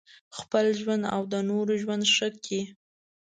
خپل ژوند او د نورو ژوند ښه کړي.